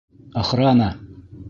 Охрана!..